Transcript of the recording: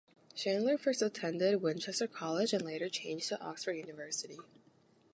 Chandler first attended Winchester College and later changed to Oxford University.